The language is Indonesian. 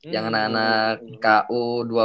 yang anak anak ku dua belas